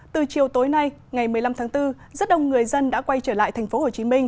từ chiều tối nay ngày một mươi năm tháng bốn rất đông người dân đã quay trở lại tp hcm